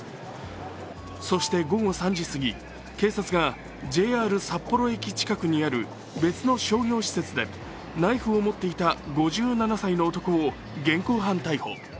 そして午後３時過ぎ、警察がＪＲ札幌駅近くにある別の商業施設でナイフを持っていた５７歳の男を現行犯逮捕。